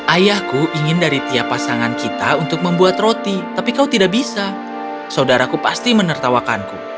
ayahku ingin dari tiap pasangan kita untuk membuat roti tapi kau tidak bisa saudaraku pasti menertawakanku